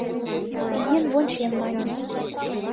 Ийын вончем маньым